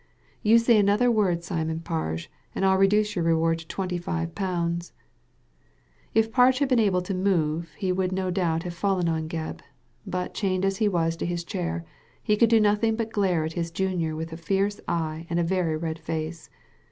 You say another word, Simon Parge, and I'll reduce your reward to twenty five pounds." If Parge had been able to move he would no doubt have fallen on Gebb ; but chained as he was to his chair, he could do nothing but glare at his junior with a fierce eye and a very red face.